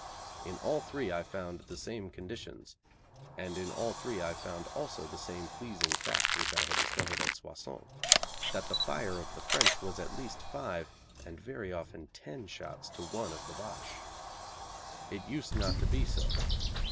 In all three I found the same conditions, and in all three I found also the same pleasing fact which I had discovered at Soissons, that the fire of the French was at least five, and very often ten shots to one of the Boche. It used not to be so.